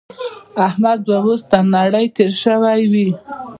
احمد به اوس تر نړۍ تېری شوی وي.